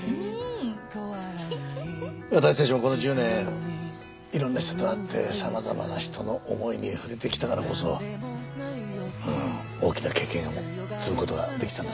私たちもこの１０年いろんな人と会って様々な人の思いに触れてきたからこそ大きな経験を積む事ができたんですね。